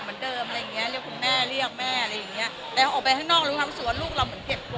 ก็ได้มีเวลาคนนี้ก็ค่อนข้างออกไปด้วยใช่ไหมครับ